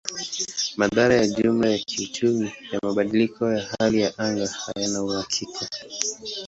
Madhara ya jumla ya kiuchumi ya mabadiliko ya hali ya anga hayana uhakika.